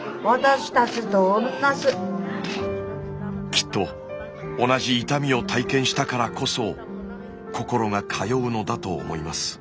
きっと同じ痛みを体験したからこそ心が通うのだと思います。